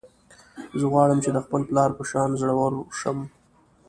زه غواړم چې د خپل پلار په شان زړور شم